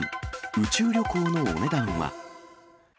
宇宙旅行のお値段は？